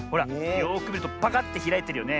よくみるとパカッてひらいてるよね。